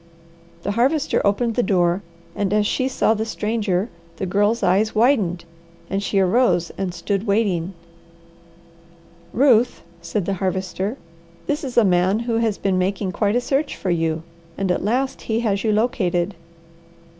The Harvester opened the door, and as she saw the stranger, the Girl's eyes widened, and she arose and stood waiting. "Ruth," said the Harvester, "this is a man who has been making quite a search for you, and at last he has you located."